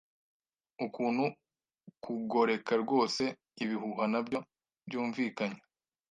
Ukuntu kugoreka rwose ibihuha nabyo byumvikanye